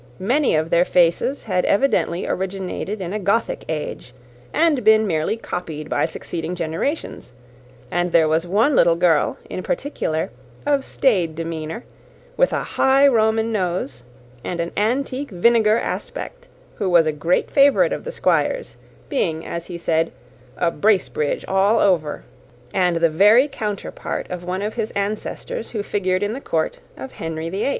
Many of their faces had evidently originated in a Gothic age, and been merely copied by succeeding generations; and there was one little girl, in particular, of staid demeanour, with a high Roman nose, and an antique vinegar aspect, who was a great favourite of the Squire's, being, as he said, a Bracebridge all over, and the very counterpart of one of his ancestors who figured in the court of Henry VIII.